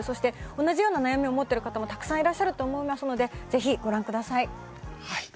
同じような悩みを持っている方もたくさんいらっしゃると思いますので、ぜひご覧ください。